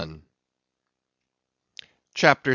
CHAPTER 68.